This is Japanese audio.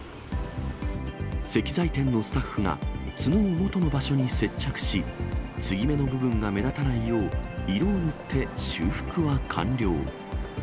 石材店のスタッフが、角を元の場所に接着し、継ぎ目の部分が目立たないよう、色を塗って修復は完了。